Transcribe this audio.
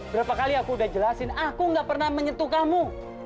berapa kali aku udah jelasin aku gak pernah menyentuh kamu